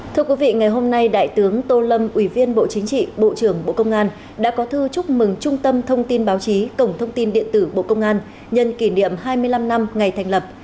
thưa quý vị ngày hôm nay đại tướng tô lâm ủy viên bộ chính trị bộ trưởng bộ công an đã có thư chúc mừng trung tâm thông tin báo chí cổng thông tin điện tử bộ công an nhân kỷ niệm hai mươi năm năm ngày thành lập